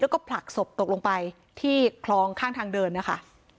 แล้วก็ผลักศพตกลงไปที่คลองข้างทางเดินนะคะ